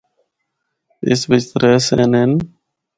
اس بچ ترّے صحن ہن۔